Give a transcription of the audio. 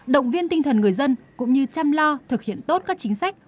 động viên tinh thần người dân cũng như chăm lo thực hiện tốt các chính sách